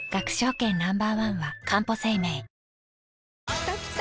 きたきた！